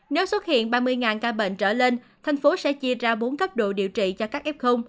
nếu xuất hiện ba mươi ca bệnh trở lên thành phố sẽ chia ra bốn cấp độ điều trị cho các f